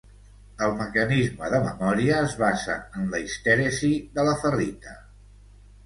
El mecanisme de memòria es basa en la histèresi de la ferrita.